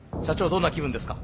どんな気分ですか？